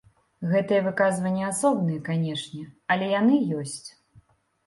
Гэта выказванні асобныя, канешне, але яны ёсць.